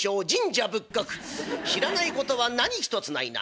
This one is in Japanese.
知らないことは何一つないな。